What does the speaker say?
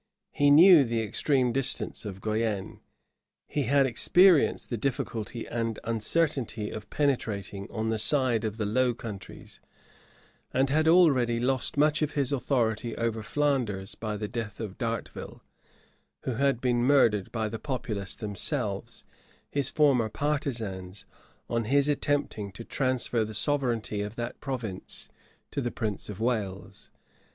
He knew the extreme distance of Guienne: he had experienced the difficulty and uncertainty of penetrating on the side of the Low Countries, and had already lost much of his authority over Flanders by the death of D'Arteville, who had been murdered by the populace themselves, his former partisans, on his attempting to transfer the sovereignty of that province to the prince of Wales.